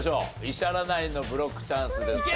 石原ナインのブロックチャンスです。